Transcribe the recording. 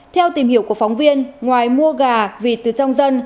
theo tìm hiểu của phóng viên ngoài mua gà vịt từ trong dân